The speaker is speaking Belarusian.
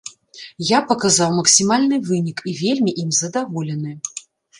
Я паказаў максімальны вынік і вельмі ім задаволены.